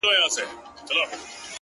• اوس به څوك ځي په اتڼ تر خيبرونو,